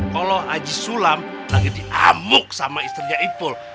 kalau aji sulam lagi diamuk sama istrinya ipul